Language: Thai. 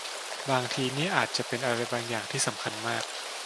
บางทีนี่อาจจะเป็นอะไรบางอย่างที่สำคัญมาก